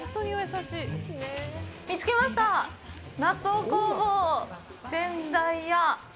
見つけました、納豆工房せんだい屋。